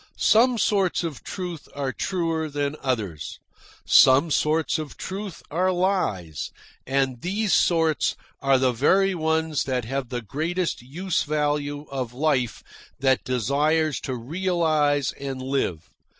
Some sorts of truth are truer than others. Some sorts of truth are lies, and these sorts are the very ones that have the greatest use value to life that desires to realise and live.